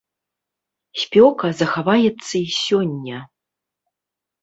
Спёка захаваецца і сёння.